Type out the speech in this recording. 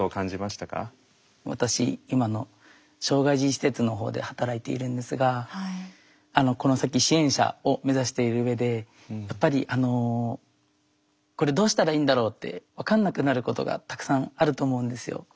私今の障害児施設のほうで働いているんですがこの先支援者を目指している上でやっぱりこれどうしたらいいんだろうって分かんなくなることがたくさんあると思うんですよ。